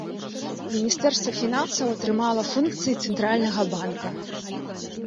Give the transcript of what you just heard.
Міністэрства фінансаў атрымала функцыі цэнтральнага банка.